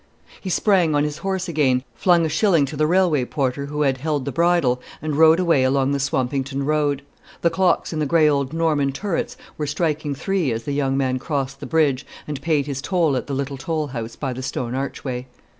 He sprang on his horse again, flung a shilling to the railway porter who had held the bridle, and rode away along the Swampington road. The clocks in the gray old Norman turrets were striking three as the young man crossed the bridge, and paid his toll at the little toll house by the stone archway.